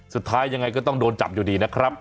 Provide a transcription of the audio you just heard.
สุดท้ายยังไงก็ต้องโดนจับอยู่ดีนะครับ